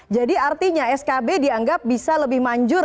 jadi artinya skb dianggap bisa lebih manjur